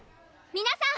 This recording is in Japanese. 皆さん！